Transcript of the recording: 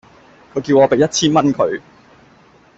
佢叫我畀一千蚊佢